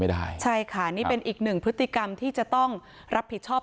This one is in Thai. ได้ใช่ค่ะนี่เป็นอีกหนึ่งพฤติกรรมที่จะต้องรับผิดชอบ